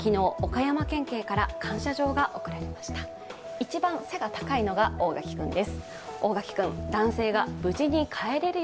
一番背が高いのが大垣くんです。